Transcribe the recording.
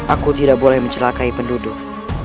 aku tidak boleh mencelakai penduduk